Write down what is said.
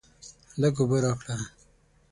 لږ اوبه راکړه.